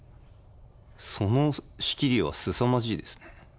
その仕切りはすさまじいですね。